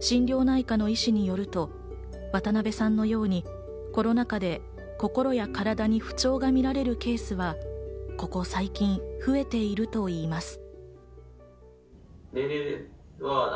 心療内科の医師によると、渡辺さんのようにコロナ禍で心や体に不調が見られるケースがここ最近、増えているといいます。